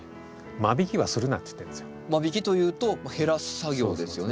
間引きというと減らす作業ですよね